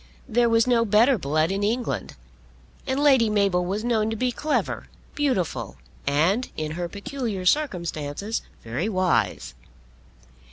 There was no better blood in England. And Lady Mabel was known to be clever, beautiful, and, in her peculiar circumstances, very wise.